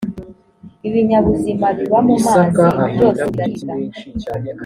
ibinyabuzima biba mumazi byose biraribwa